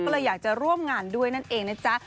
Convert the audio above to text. ก็เลยอยากจะร่วมงานด้วยนั่นเองนะจ๊ะ